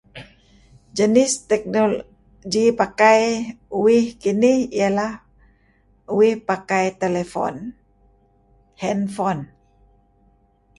Jenis teknology pakai uih kinih iyeh lah uih pakai telefon, hand phone.